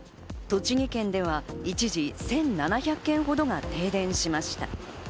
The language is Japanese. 栃木県では一時、１７００軒ほどが停電しました。